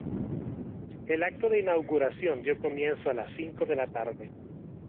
El acto de inauguración dio comienzo a las cinco de la tarde.